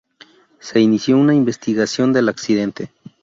Se inició una investigación del accidente.